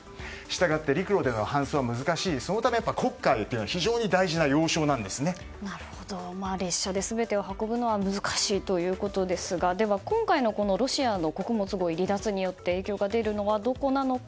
したがって陸路での搬送が難しいので列車で全てを運ぶのは難しいということですがでは、今回のロシアの穀物合意離脱によって影響が出るのはどこなのか。